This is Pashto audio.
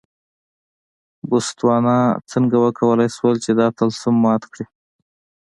بوتسوانا څنګه وکولای شول چې دا طلسم مات کړي.